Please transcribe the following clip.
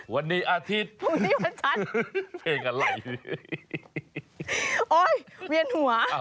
วันนี้อาทิตย์พรุ่งนี้วันฉันเพลงอะไรโอ๊ยเวียนหัว